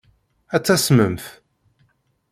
Ad tasmemt.